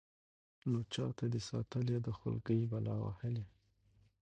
نو چاته دې ساتلې ده خولكۍ بلا وهلې.